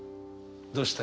どうした？